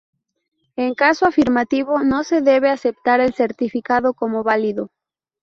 En caso afirmativo, no se debe aceptar el certificado como válido.